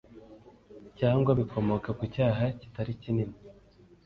Cyangwa bikomoka ku cyaha kitari kinini